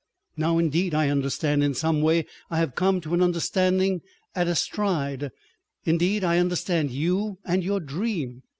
Now indeed I understand. In some way I have come to an understanding at a stride. Indeed I understand you and your dream.